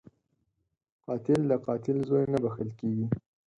قاتل د قاتل زوی نه بخښل کېږي